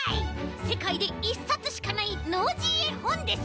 せかいで１さつしかないノージーえほんです！